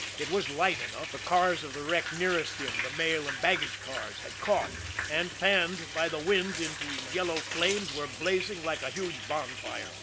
It was light enough the cars of the wreck nearest him, the mail and baggage cars, had caught, and, fanned by the wind into yellow flames, were blazing like a huge bonfire.